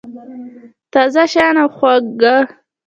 تازه شیان او خواږه